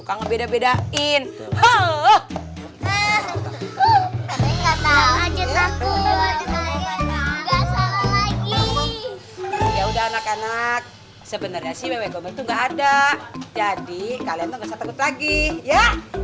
anak anak sebenarnya sih wewe gomel itu enggak ada jadi kalian takut lagi ya